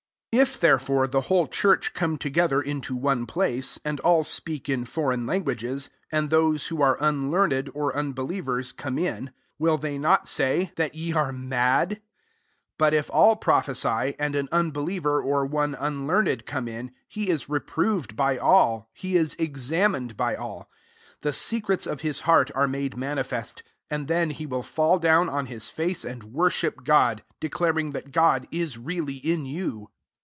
23 If therefore, the whole church come together into one place, and all a|>eak in foreign languages, and those who are unlearned, or unbelievers, come in, will they not say that ye are 288 1 CORINTHIANS XV. itiad? 9A But if all prophesy, and an unbeliever, or one un learned, come in, he is reproved by all, he is examined by all : 25 the secrejts of his heart are made manifest; and then he will fall down on /lis face and worship God, declaring that God is really in you.